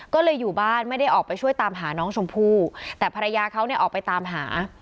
ก็เลยอยู่บ้านไม่ได้ออกไปช่วยตามหาน้องชมพู่แต่ภรรยาเขาเนี่ยออกไปตามหา